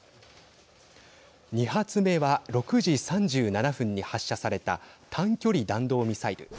２発目は６時３７分に発射された短距離弾道ミサイル。